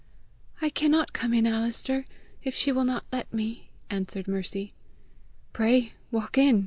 "I cannot come in, Alister, if she will not let me!" answered Mercy. "Pray walk in!"